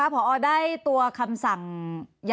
ทีนี้วันอาทิตย์หยุดแล้วก็วันจันทร์ก็หยุด